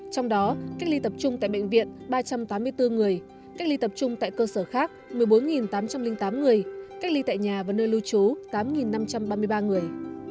trong đó cách ly tập trung tại bệnh viện ba trăm tám mươi bốn người cách ly tập trung tại cơ sở khác một mươi bốn tám trăm linh tám người cách ly tại nhà và nơi lưu trú tám năm trăm ba mươi ba người